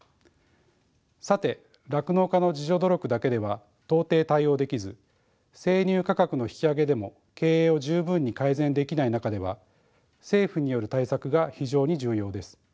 さて酪農家の自助努力だけでは到底対応できず生乳価格の引き上げでも経営を十分に改善できない中では政府による対策が非常に重要です。